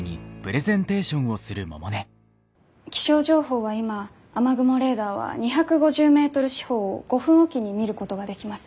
気象情報は今雨雲レーダーは２５０メートル四方を５分置きに見ることができます。